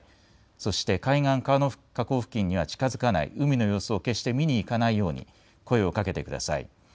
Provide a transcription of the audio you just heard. そして海岸、川の河口付近には近づかない、海の様子を決して見に行かないように声をかけてください。